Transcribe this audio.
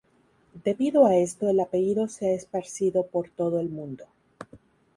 Debido a esto el apellido se ha esparcido por todo el mundo.